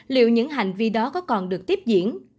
liệu những hành vi đó có còn được tiếp diễn